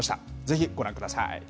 ぜひご覧ください。